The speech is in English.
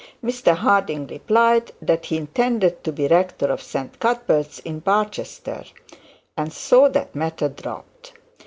Mr Harding replied that he intended to be rector of St. Cuthbert's in Barchester; and so that matter dropped.